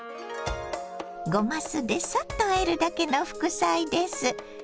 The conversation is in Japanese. ごま酢でサッとあえるだけの副菜です。